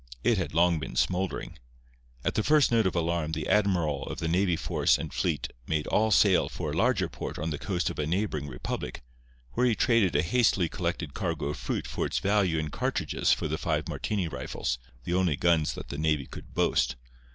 It had long been smouldering. At the first note of alarm the admiral of the navy force and fleet made all sail for a larger port on the coast of a neighbouring republic, where he traded a hastily collected cargo of fruit for its value in cartridges for the five Martini rifles, the only guns that the navy could boast.